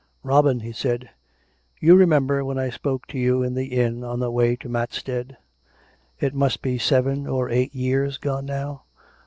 " Robin," he said, " you remember when I spoke to you in the inn on the way to Matstead; it must be seven or eight years gone now?